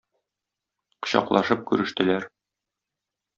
Кочаклашып күрештеләр.